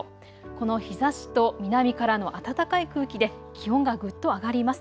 この日ざしと南からの暖かい空気で気温がぐっと上がります。